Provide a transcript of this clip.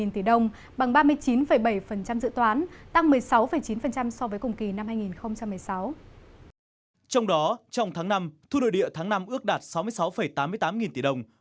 trong đó trong tháng năm thu nội địa tháng năm ước đạt sáu mươi sáu tám mươi tám nghìn tỷ đồng